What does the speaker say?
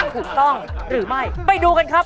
ถูกต้องหรือไม่ไปดูกันครับ